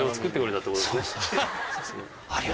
さすが。